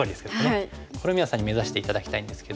これ皆さんに目指して頂きたいんですけども。